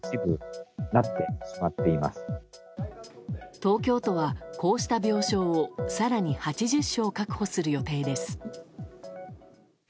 東京都はこうした病床を更に８０床確保する予定です。